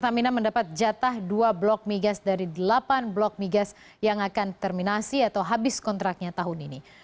stamina mendapat jatah dua blok migas dari delapan blok migas yang akan terminasi atau habis kontraknya tahun ini